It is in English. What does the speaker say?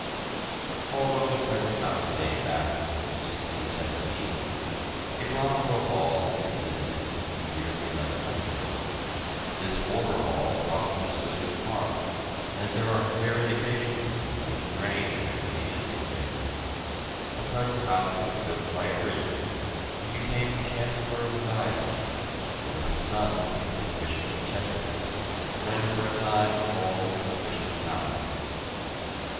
] Although the present house dates back only to 1617, a Bromborough Hall has existed since the year 1100; this former hall probably stood in the park, as there are clear indications of a moated grange having existed there. The present house was built by a Bridgeman, who became chancellor of the diocese, one of his sons becoming Bishop of Chester, when for a time the hall was the bishop's palace.